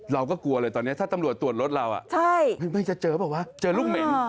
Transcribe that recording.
กลัวเลยตอนนี้ถ้าตำรวจตรวจรถเราไม่จะเจอหรือเปล่าวะเจอลูกเหม็น